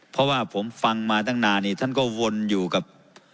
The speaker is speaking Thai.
เพราะว่าผมฟังมาตั้งนานนี่ท่านก็วนอยู่กับ